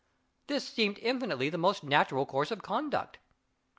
This seemed infinitely the most natural course of conduct.